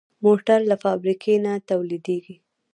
موټر له فابریکې نه تولیدېږي.